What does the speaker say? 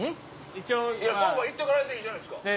ソンファ行ってからでいいじゃないですか？